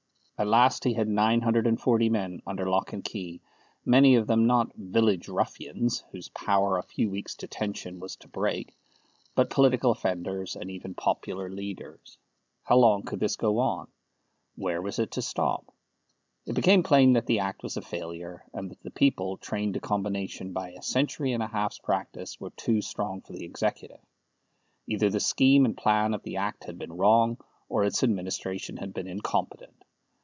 At last he had nine hundred and forty men under lock and key, many of them not "village ruffians," whose power a few weeks' detention was to break, but political offenders, and even popular leaders. How long could this go on? Where was it to stop? It became plain that the Act was a failure, and that the people, trained to combination by a century and a half's practice, were too strong for the Executive. Either the scheme and plan of the Act had been wrong, or its administration had been incompetent.